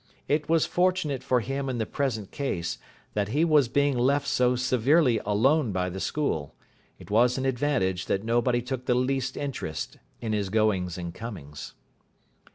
It was fortunate for him in the present case that he was being left so severely alone by the school. It was an advantage that nobody took the least interest in his goings and comings.